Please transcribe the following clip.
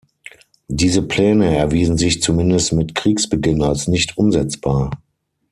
Diese Pläne erwiesen sich zumindest mit Kriegsbeginn als nicht umsetzbar.